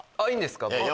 いいんですか？